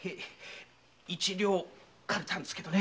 一両だったんですけどね。